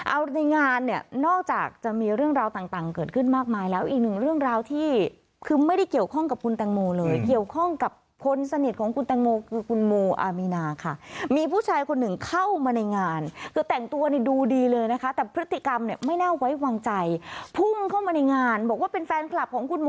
เอาในงานเนี่ยนอกจากจะมีเรื่องราวต่างเกิดขึ้นมากมายแล้วอีกหนึ่งเรื่องราวที่คือไม่ได้เกี่ยวข้องกับคุณแตงโมเลยเกี่ยวข้องกับคนสนิทของคุณแตงโมคือคุณโมอามีนาค่ะมีผู้ชายคนหนึ่งเข้ามาในงานคือแต่งตัวนี่ดูดีเลยนะคะแต่พฤติกรรมเนี่ยไม่น่าไว้วางใจพุ่งเข้ามาในงานบอกว่าเป็นแฟนคลับของคุณโม